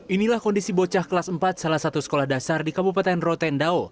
inilah kondisi bocah kelas empat salah satu sekolah dasar di kabupaten rotendao